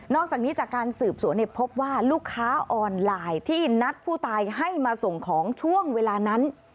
อกจากนี้จากการสืบสวนพบว่าลูกค้าออนไลน์ที่นัดผู้ตายให้มาส่งของช่วงเวลานั้น